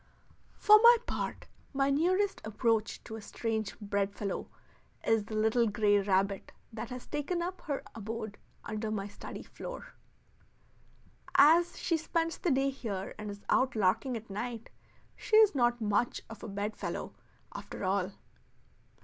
For my part, my nearest approach to a strange bedfellow is the little gray rabbit that has taken up her abode under my study floor. As she spends the day here and is out larking at night, she is not much of a bedfellow after all.